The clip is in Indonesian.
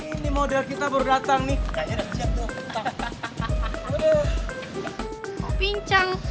ini model kita berdatang nih